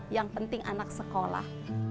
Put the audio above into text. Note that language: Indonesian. yang penting anak sekolah